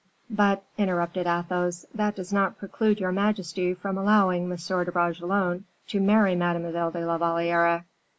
"But," interrupted Athos, "that does not preclude your majesty from allowing M. de Bragelonne to marry Mademoiselle de la Valliere.